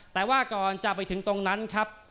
แต่ว่าก่อนจะไปถึงตรงนั้นครับ